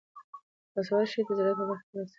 باسواده ښځې د زراعت په برخه کې مرسته کوي.